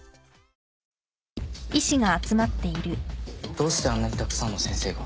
どうしてあんなにたくさんの先生が？